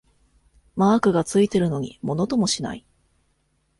マークがついてるのにものともしない